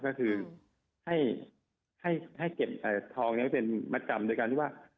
ก็คือให้เก็บทองนี้เป็นมัดจำโดยการที่ว่า